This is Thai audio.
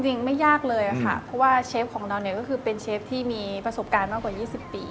ไม่ยากเลยค่ะเพราะว่าเชฟของเราเนี่ยก็คือเป็นเชฟที่มีประสบการณ์มากกว่า๒๐ปี